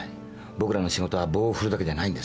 僕らの仕事は棒を振るだけじゃないんです。